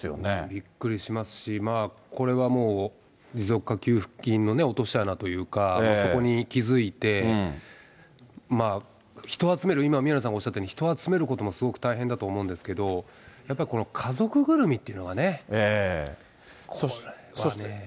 びっくりしますし、まあこれがもう、持続化給付金の落とし穴というか、そこに気付いて、人を集める、今宮根さんがおっしゃったように、人を集めることもすごく大変だと思うんですけれども、やっぱりこの家族ぐるみっていうのがね、これはね。